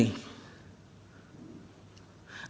ada lagi data yang lain